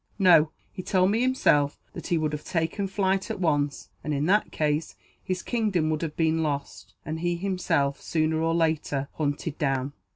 "No; he told me, himself, that he would have taken flight at once and, in that case, his kingdom would have been lost; and he himself, sooner or later, hunted down."